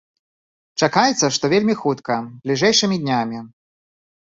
Чакаецца, што вельмі хутка, бліжэйшымі днямі.